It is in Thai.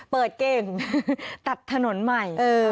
เปิดเก่งตัดถนนใหม่